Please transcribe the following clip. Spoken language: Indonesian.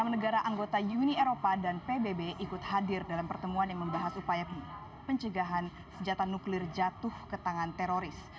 enam negara anggota uni eropa dan pbb ikut hadir dalam pertemuan yang membahas upaya pencegahan senjata nuklir jatuh ke tangan teroris